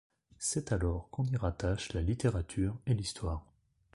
C'est alors qu'on y rattache la littérature et l'histoire.